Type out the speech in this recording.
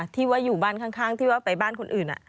ที่ว่าอยู่บ้านข้างที่ว่าไปบ้านคนอื่น